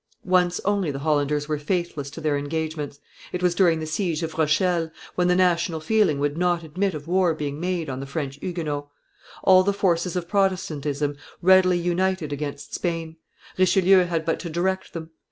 Once only the Hollanders were faithless to their engagements: it was during the siege of Rochelle, when the national feeling would not admit of war being made on the French Huguenots. All the forces of Protestantism readily united against Spain; Richelieu had but to direct them.